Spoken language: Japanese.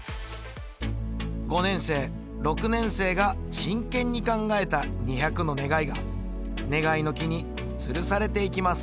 ５年生６年生が真剣に考えた２００の願いが願いの木につるされていきます